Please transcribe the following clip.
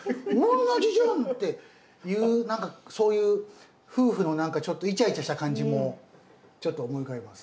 同じじゃん！」っていう何かそういう夫婦の何かちょっとイチャイチャした感じもちょっと思い浮かびます。